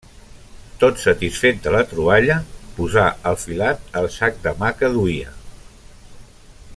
Tot satisfet de la troballa, posà al filat el sac de mà que duia.